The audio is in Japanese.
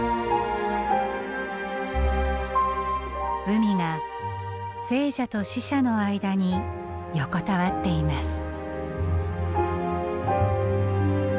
海が生者と死者の間に横たわっています。